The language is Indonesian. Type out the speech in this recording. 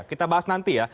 kita bahas nanti ya